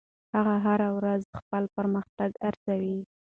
هغه هره ورځ خپل پرمختګ ارزوي.